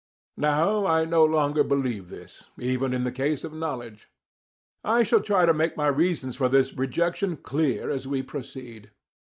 Now I no longer believe this, even in the case of knowledge. I shall try to make my reasons for this rejection clear as we proceed.